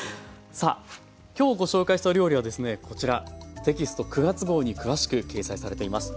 今日ご紹介した料理はですねこちらテキスト９月号に詳しく掲載されています。